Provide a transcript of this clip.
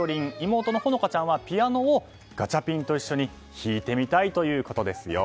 妹の穂香ちゃんはピアノをガチャピンと一緒に弾いてみたいということですよ。